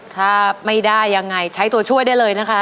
ถ้าไม่ได้ยังไงใช้ตัวช่วยได้เลยนะคะ